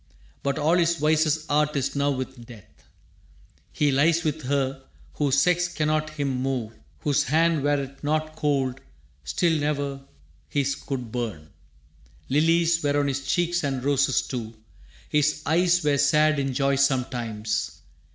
But all his vices' art is now with Death: He lies with her, whose sex cannot him move, Whose hand, were't not cold, still ne'er his could burn. Lilies were on his cheeks and roses too. His eyes were sad in joy sometimes.